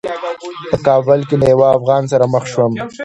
په کابل کې له یوه افغان سره مخ شوم.